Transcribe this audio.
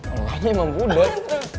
alahnya emang budot